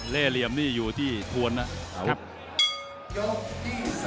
เล่เหลี่ยมนี่อยู่ที่ทวนนะ